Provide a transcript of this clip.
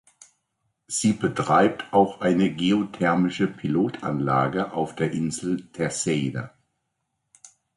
Sie betreibt auch eine geothermische Pilotanlage auf der Insel Terceira.